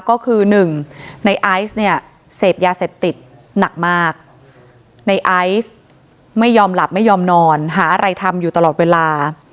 ก็คือหนึ่งในไอซ์เนี่ยเสพยาเสพติดหนักมากในไอซ์ไม่ยอมหลับไม่ยอมนอนหาอะไรทำอยู่ตลอดเวลา